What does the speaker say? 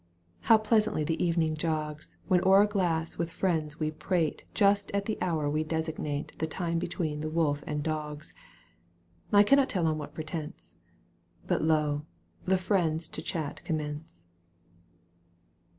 How pleasantly the evening jogs When o'er a glass with friends we prate Just at the hour we designate The time between the wolf and dogs — I cannot tell on what pretence — But lo ! the friends to chat commence.